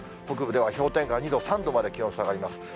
北部では氷点下２度、３度まで気温下がります。